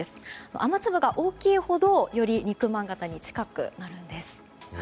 雨粒が大きいほど、より肉まん形に近くなるんです。